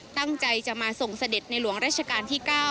ตั้งใจจะมาส่งเสด็จในหลวงราชการที่๙